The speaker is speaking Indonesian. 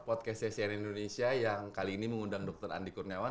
podcast ccn indonesia yang kali ini mengundang dokter andi kurniawan